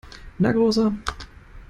Na, Großer!